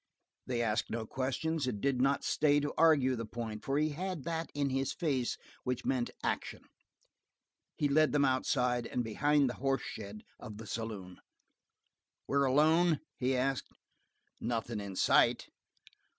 They asked no questions and did not stay to argue the point for he had that in his face which meant action. He led them outside, and behind the horse shed of the saloon. "We're alone?" he asked. "Nothin' in sight."